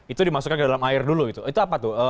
itu dimasukkan ke dalam air dulu itu apa tuh